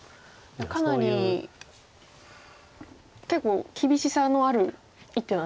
かなり結構厳しさのある一手なんですね。